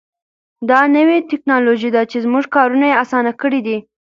دا نوې تکنالوژي ده چې زموږ کارونه یې اسانه کړي دي.